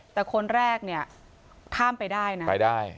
แต่คนแรกเนี่ยข้ามไปได้นะไปได้